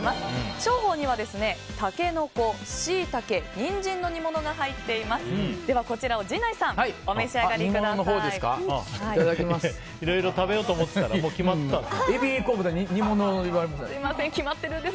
招宝にはタケノコ、シイタケニンジンの煮物が入っています。